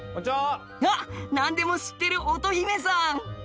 あっ何でも知ってる乙姫さん。